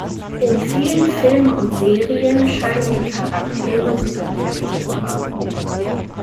In vielen Filmen und Serien scheinen die Charaktere Superkräfte zu haben.